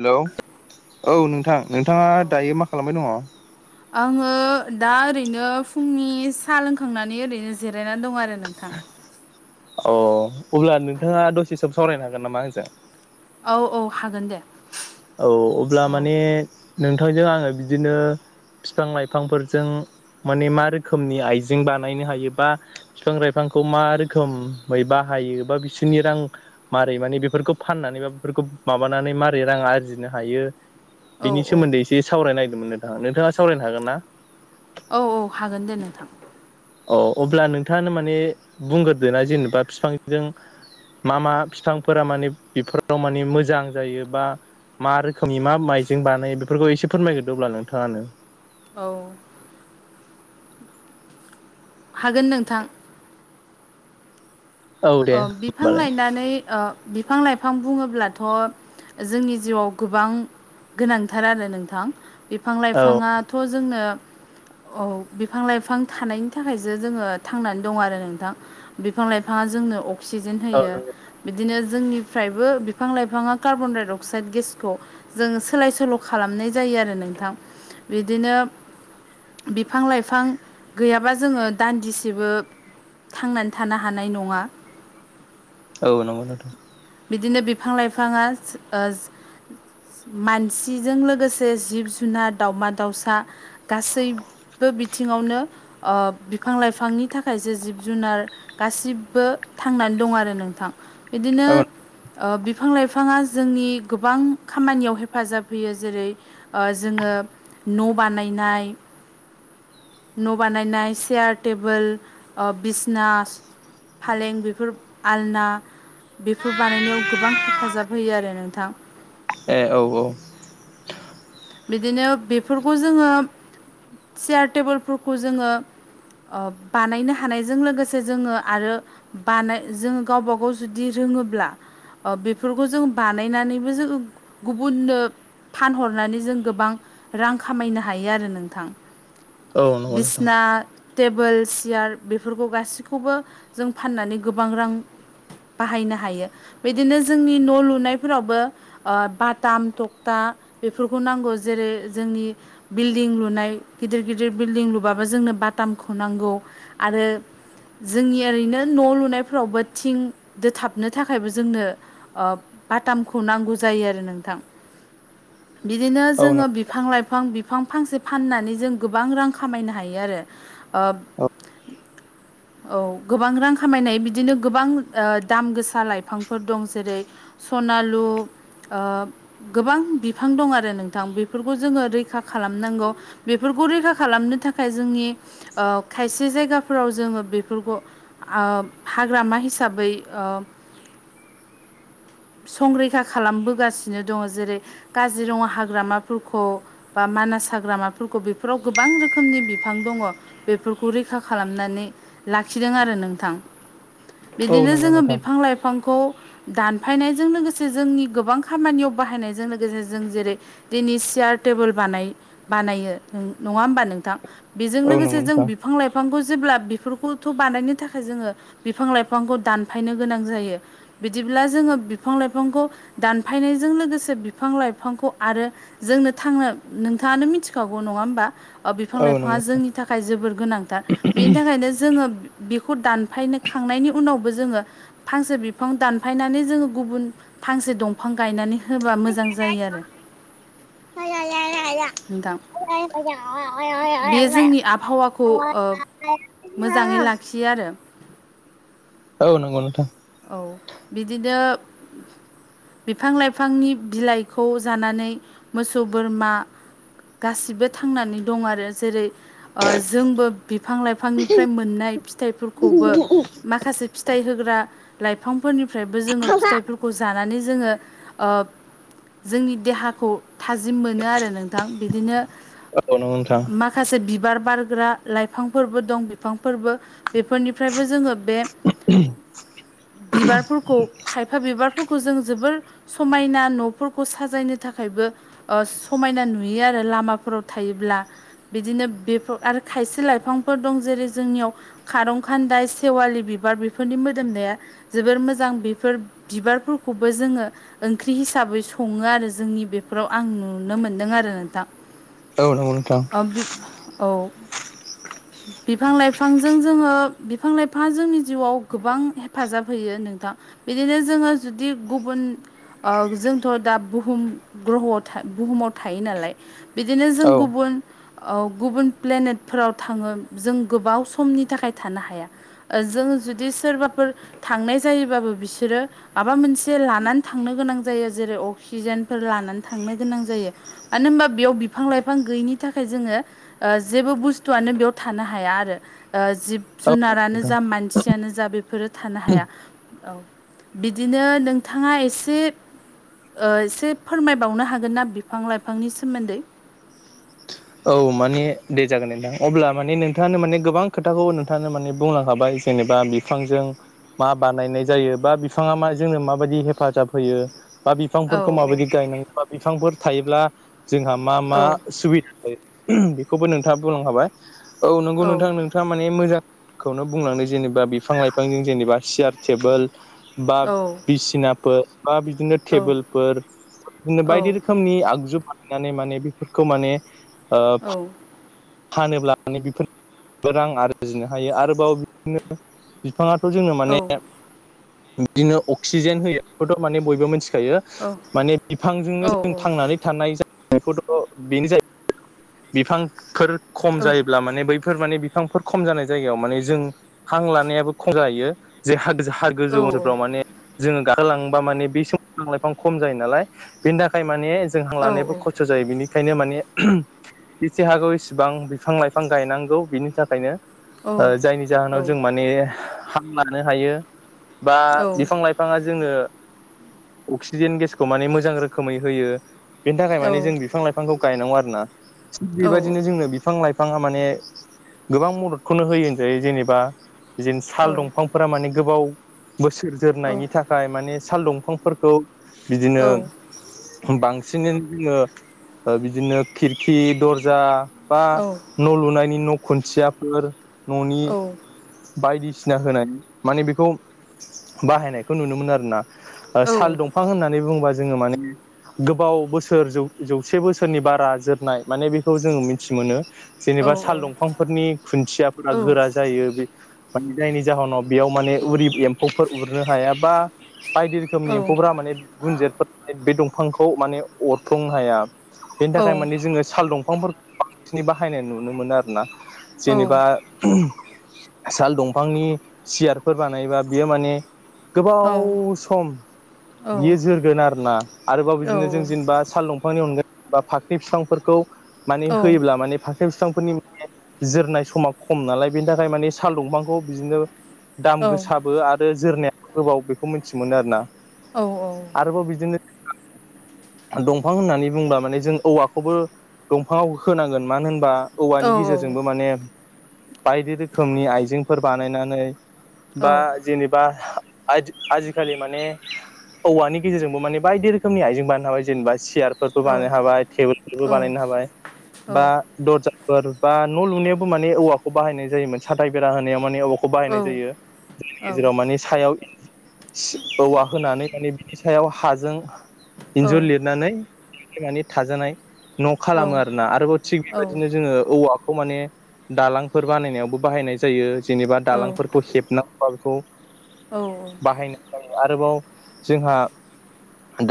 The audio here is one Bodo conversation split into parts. हेलौ! औ नोंथां, नोंथाङा दायो मा खालामबाय दङ'? आङो दा ओरैनो फुंनि साह लोंखांनानै ओरैनो जिरायनानै दं आरो नोंथां। अ अब्ला नोंथाङा दसे सम सावरायनो हागोन नामा आंजों? औ औ हागोन दे। औ अब्ला औ माने नोंथांजों आङो बिदिनो बिफां-लाइफांफोरजों माने मा रोखोमनि आइजें बानायनो हायो बा बिफां-लाइफांखौ मा रोखोमै बाहायो बा बिसोरनि रां मारै माने बेफोरखौ फाननानै बा बेफोरखौ माबानानै मारै रां आरजि जिनो हायो औ बिनि सोमोन्दै एसे सावरायनो नागिरदोंमोन नोंथां। नोंथाङा सावरायनो हागोन ना? औ औ हागोन दे नोंथां। अ अब्ला नोंथाङानो माने बुंग्रोदो ना जेनेबा बिफांजों मा मा फिफांफोरा माने बेफोराव माने मोजां जायो बा मा रोखोमनि मा माइजों बानायो बेफोरखौ एसे फोरमायग्रोदों अब्ला नोंथाङानो। औ हागोन नोंथां। औ दे ओ बिफां होमबालाय लायनानै ओ बिफां-लाइफां बुङोब्लाथ' जोंनि जिउआव गोबां गोनांथार आरो नोंथां। बिफां औ लाइफाङाथ' जोंनो औ बिफां लाइफां थानायनि थाखायसो जोङो थांनानै दं आरो नोंथां। बिफां लाइफाङा जोंनो अक्सिजेन औ होयो। नंगौ बिदिनो जोंनिफ्रायबो बिफां लाइफाङा कार्बन डाइ अक्साइड गेसखौ जों सोलाय सोल' खालामनाय जायो आरो नोंथां बिदिनो बिफां लाइफां गैयाबा जोङो दान्दिसेबो थांनानै थानो हानाय नङा। औ नंगौ नोंथां बिदिनो बिफां लाइफाङा जो ओ जो मानसिजों लोगोसे जिब जुनार दाावमा दाउसा गासैबो बिथिङावनो ओ बिफां लाइफांनि थाखायसो जिब जुनार गासिबो थांनानै दं आरो नोंथां। बिदिनो ओ बिफां लाइफाङा जोंनि गोबां खामानियाव हेफाजाब होयो जेरै ओ जोङो न' बानायनाय न' बानायनाय चयार टेबोल बिजनास फालें बेफोर आलना टुर बानायनायाव गोबां हेफाजाब होयो आरो नोंथां। ए औ औ बिदिनो बेफोरखौ जोङो चयार टेबोलफोरखौ जोङो ओ बानायनो हानायजों लोगोसे जोङो आरो बानो जोङो गावबा गाव जुदि रोङोब्ला ओ बेफोरखौ जों बानायनानैबो जोङो गुबुननो फानहरनानै जों गोबां रां खामायनो हायो आरो नोंथां औ नंगौ नोंथां बिसिना टेबोल सियार बेफोरखौ गासैखौबो जों फाननानै गोबां रां बाहायनो हायो। बिदिनो जोंनि न' लुनायफोरावबो ओ बाथाम थक्था बेफोरखौ खौ नांगौ जेरै जोंनि बिल्डिं लुनाय गिदिर गिदिर बिल्डिं लुबाबो जोंनो बाथाम खुनांगौ आरो जोंनि ओरैनो न' लुनायफोरावबो थिं दोथाबनो थाखायबो जोंनो ओ बटामखौ नांगौ जायो आरो नोंथां। बिदिनो औ जोङो नंगौ बिफां लाइफां बिफां फांसे फाननानै जों गोबां रां खामायनो हायो आरो ओब [inaudible] औ गोबां रां खामायनाय बिदिनो गोबां ओ दाम गोसा लाइफांफोर दं जेरै सनालु ओ गोबां बि फां दं आरो नोंथां बेफोरखौ जोङो रैखा खालामनांगौ बेफोरखौ रैखा खालामनो थाखाय जोंनि ओ खायसे जायगाफोराव जोङो बेफोरखौ ओ हाग्रामा हिसाबै ओ [inaudible] संरैखा खालामबोगासिनो दं जेरै काजिरङा हाग्रामाफोरखौ बा मानास हाग्रामाफोरखौ बेफोराव गोबां रोखोमनि बिफां दङ। बेफोरखौ रैखा खालामनानै लाखिदों आरो नोंथां औ बिदिनो नंगौ जोङो नोंथां बिफां लाइफांखौ दानफायनायजों लोगोसे जोंनि गोबां खामानियाव बाहायनायजादों गेजे जों जेरै दिनै सियार टेबोल बानाय बानायो नङा होमबा नोंथां। बेजों औ नंगौ लोगोसे जों नोंथां बिफां लाइ फांखौ जेब्ला बेफोरखौथ' बानायनो थाखाय जोङो बिफां लाइफांखौ दानफायनो गोनां जायो। बिदिब्ला जोङो बिफां लाइफांखौ दानफायनायजों लोगोसे बिफां लाइफांखौ आरो जोंनो थांनो नोंथाङानो मिथिखागौ नङा होमबा। ओ औ नंगौ औ नंगौ बिफां-लाइफाङा नोंथां जोंनि थाखाय जोबोर गोनांथार बेनि थाखायनो जोङो। बेखौ दानफाय नाय खांनायनि उनावबो जोङो फांसे बिफां दानफायनानै जोङो गुबुन फांसे दंफां गायनानै होबा मोजां जायो आरो। [unintelligible] नोंथां। बे जोंनि आबहावाखौ ओ मोजाङै लाखि- यो आरो। औ नंगौ नोंथां। औ बिदिनो बिफां-लाइफांनि बिलाइ- खौ जानानै मोसौ-बोरमा गासिबो थांनानै दं आरो। जेरै' ओ जोंबो बिफां-लाइफां निफ्राय मोननाय फिथाइफोरखौबो माखासे फि- थाइ होग्रा लाइफांफोरनिफ्रायबो जोङो फिथाइफोरखौ जानानै जोङो ओ जोंनि देहाखौ थाजिम मोनो आरो नोंथां। बिदिनो औ नंगौ मा- खायसे बिबार बारग्रा लाइफांफोरबो दं बिफांफोरबो बेफोरनिफ्रायबो जोङो बे बिबारफोरखौ खायफा बिबारफोरखौ जों जोबोर समायना नु- फोरखौ साजायनो थाखायबो ओ समायना नुयो आरो लामाफोराव थायोब्ला। बिदिनो बेफोर आरो खायसे लाइफांफोर दं। जेरै जोंनियाव खारं खान्दाय सेवालि बिबार बेफोरनि मोदोमनाया जोबोर मोजां बेफोर बिबारफोरखौबो जोङो ओंख्रि हिसाबै सं- सङो आरो जोंनि बेफोराव आं नुनो मोनदों आरो नोंथां। औ नंगौ नोंथां। [unintelligible] औ [unintelligible] बिफां-लाइफांजों जोङो बिफां-लाइफाङा जोंनि जिउआव गोबां हेफाजाब होयो नोंथां। बिदिनो जोङो जु- दि गुबुन ओ जोंथ' दा बुहुम ग्रहआव था बुहुमाव थायो नालाय। बिदिनो जों औ गुबुन औ गुबुन प्लेनेटफोराव थाङो जों गोबाव समनि थाखाय थानो हाया। ओ जोंङो जुदि सोरबाफोर थांनाय जायोबाबो बिसोरो माबा मोनसे लानानै थांनो गोनां जायो। जेरै अक्सिजेनफोर लानानै थांनो गोनां जायो। मानो होनबा बेयाव बिफां-लाइफां गैयिनि थाखाय जोङो ओ जेबो बुस्थुआनो बेयाव थानो हाया आरो ओ जिब औ जुनारानो नोंथां जा मान- सियानो जा बेफोरो थानो हाया। औ बिदिनो नोंथाङा एसे ओ एसे फोरमायबावनो हागोन ना बिफां-लाइफांनि सोमोन्दै? औ मानि दे जागोन नोंथां अब्ला माने नोंथाङानो माने गोबां खोथाखौ नोंथाङानो माने बुंलांखाबाय जेनेबा फांजों मा बानायनाय जायो बा बिफाङा मा जोंनो माबायदि हेफाजाब होयो। बा औ बिफांफोरखौ माबायदि गायनांगौ बा बिफांफोर थायोब्ला जोंहा मा मा औ सुबि- [unintelligible] बेखौबो नोंथाङा बुंलां खाबाय। औ नंगौ नोंथां नों- थाङा माने मोजांखौनो बुंलांदों जेनेबा बिफां-लाइफांजों जेनेबा सियार टेबोल। बा औ बिसिनाफोर बा बिदिनो औ टेबोल फोर बिदिनो बायदि रोखोमनि आगजु माने माने बेफोरखौ माने ओ औ फानोब्लानो बेफोरावबो रां आरजिनो हायो आरोबाव बिदिनो बिफाङाथ' जोंनो माने औ बिदिनो अक्सिजेन होयो बेखौथ' माने बयबो मोनथिखायो। औ माने बिफांजोंनो जों थांनानै थानाय जायो बेखौथ' बेनो जायो [unintelligible] बिफांफोर खम जायोब्ला माने बै बेफोर माने बिफांफोर खम जानाय जायगायाव माने जों हां लानायाबो खम जायो जे ह हा गोजौ ओनसोलफ्राव माने गा होलांबा माने बे सम बिफां लाइफां खम जायो नालाय बेनि थाखाय माने जोंहा लानायबो खस्थ' जायो बेनिखायनो माने जेसे हागौ इसिबां बिफां लाइफां गायनांगौ बिनि थाखायनो। जायनि जाहोनाव जों माने हां लानो हायो बा बिफां लाइफां बिफाङा जोंनो अक्सिजेन गेसखौ माने मोजां रोखोमै होयो। बेनि थाखाय माने जों बिफां लाइफांखौ गायनांगौ आरो ना थिग बेबायदिनो जोंनो बिफां लाइफां बिफाङा माने गोबां मददखौनो होयो होन ज जेनेबा ज साल दंफां फोर माने गोबाव बोसोर जोरनायनि थाखाय माने साल दंफांफोरखौ बिदिनो बांसिनैनो जोङो बिदिनो खिरखि दरजा बा न' लुनायनि न' खुन्थियाफोर न'नि बायदिसिना होनाय माने बेखौ बाहायनायखौ नुनो मोनो आरोना। साल दंफां होननानै बुंबा जोङो माने गोबाव बोसोर ज जौसे बोसोरनि बारा जोबनाय माने बेखौ जों मिथि मोनो जेनेबा साल दंफां फोरनि खुन्थियाफोरा गोरा जायो बे मान जायनि जाहोनाव बेयाव माने उरि एम्फौफोर उरनो हाया बा बायदि रोखोमनि एम्फौफ माने गुनजेतफोर बे दंफांखौ माने अरफ्लुंनो हाया। मानिजोङो साल दंफांफोरखौ बांसि बाहायनाय नुनो मोनो आरोोना जेनेबा साल दंफांनि सियारफोर बानायबा बियो माने गोबाव सम बियो जोरगोन आरोना आरोबाव बिदिनो जों जेनेबा साल दंफां बिफांनि अनगायै बा फाख्रि बिफांफोरखौ माने होयोब्ला माने फा बिफांफोरनि माने जोरनाय समा खम नालाय बेनि थाखाय माने साल दंफांखौ बिदिनो दाम गोसाबो आरो जोरनाया गोबाव बेखौ मिथि मोनो आरोना। औ औ आरोबाव बिदिनो दंफां होननानै बुंबा माने जों औवाखौबो दंफाङाव होनांगोन मानो होनबा औवानि गेजेरजोंबो माने बायदि रोखोमनि आइजेंफोर बानायनानै बा जेनेबा आजिखालि माने औवानि गेजेरजोंबो माने बायदि रोखोमनि आइजें बानो हाबाय जेनेबा सियार फोरबो बानायनो हाबाय थेबोल फोरबो बानायनो हाबाय बा दरजाफोर बा न' लुनायावबो माने औवाखौ बाहायनाय जायोमोन सााथथाय बेरा होनायाव माने औखौ खौ बाहायनाय जायो जनि गेजेराव माने सायाव औवा होनानै माने बिदि फिथायाव हाजों इन्जुर लिरनानै माने थाजानाय न' खालामो आरोोना आरोबाव थिग बेबायदिनो जोङो औवाखौ माने दालांफोर बानायनायावबो बाहायनाय जायो जेनेबा दालांफोरखौ हेबनांगौबा बेखौ औ औ बाहायनाय जायो। आरोबाव जोंहा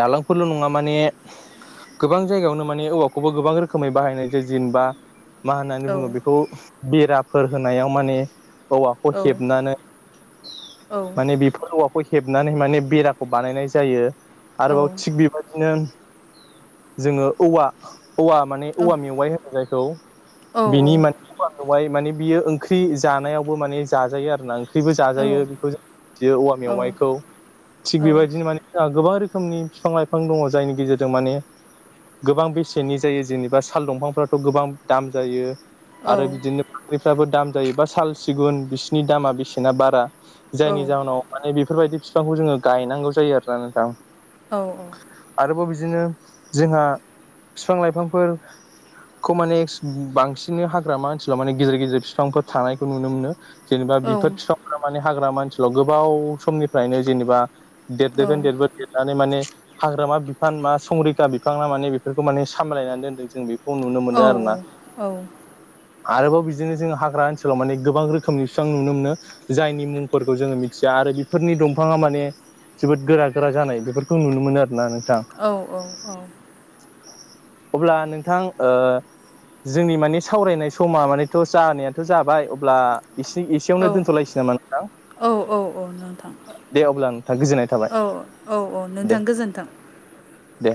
दालांफोरल' नङा माने गोबां जायगायावनो माने औवाखौबो गोबां रोखोमै बाहायनाय जे जनबा मा होननानै बुङो बेखौ बेराफोर होनायाव माने औवाखौ हेबनानै माने बि औवाखौ हेबनानै माने बेराखौ बानायनाय जायो आरोबाव थिग बेबायदिनो जोङो औवा औवा माने औवा मेवाइ होनो जायखौ बिनि माने हाय माने बियो ओंख्रि जानायावबो माने जाजायो आरोना फखैबो औ जाजायो बेखौ जोंियो औवा औ मेवाइखौ थिग बेबायदिनो मानेहा गोबां रोखोमनि बिफां लाइफां दङ जायनि गेजेरजों माने गोबां बेसेनि जायो जेनेबा साल दंफांफ्राथ' गोबां दाम जायो आरो बिदिनो साख्रिफ्राबो दाम जायोबा साल सिगुन बिसिनि दामा बेसेना बारा जायनि जाहनाव माने बेफोरबायदि बिफांखौ जोङो गायनांगौ जायो आरो ना नोंथां। औ औ आरोबाव बिदिनो जोंहा बिफां लाइफांफोर खौ माने बांसिन हाग्रामा ओनसोलाव माने गेजेर गेजेर बिफांफोर थानायखौ नुनो मोनो। जेनेबा बिफोर फिफांफोरा माने हाग्रा मानसिल' गोबाव समनिफ्रायनो जेनेबा देरदगोन देरबो देरनानै माने हाग्रामा बिफान मा संरैखा बि फानना माने बेफोरखौ माने सामलायनानै दोनदों जों बेखौ नुनो मोनदों औ आरो ना। आरोबाव बिदिनो जों हाग्रा ओनसोलाव माने गोबां रोखोमनि बिसेबां नुनो मोनो। जायनि मुंफोरखौ जोङो मिथिया आरो बेफोरनि दंफाङा माने जोबोद गोरा गोरा जानाय बेफोरखौ नुनो मोनो आरो ना नोंथां। औ औ औ अब्ला नोंथां जोंनि माने सावरायनाय समा मानेथ' जानायाथ' जाबाय अब्ला इ एसेयावनो दोन्थ'लायसै नामा नोंथां? औ औ औ नोंथां दे अब्ला नोंथां गोजोननाय थाबाय [inaudible] औ औ औ दे नोंथां गोजोन्थों। दे